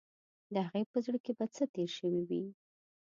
د هغې په زړه کې به څه تیر شوي وي.